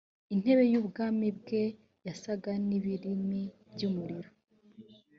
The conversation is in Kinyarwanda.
intebe y ubwami bwe yasaga n ibirimi by umuriro